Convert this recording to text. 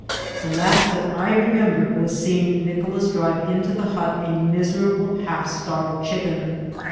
The last that I remembered was seeing Nicolas drive into the hut a miserable half starved chicken.